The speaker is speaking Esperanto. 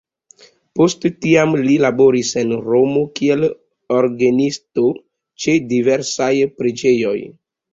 Post tiam li laboris en Romo kiel orgenisto ĉe diversaj preĝejoj.